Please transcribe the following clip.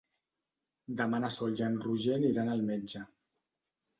Demà na Sol i en Roger aniran al metge.